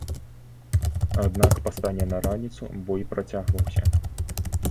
Аднак па стане на раніцу бой працягваўся.